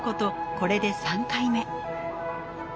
これで３回目。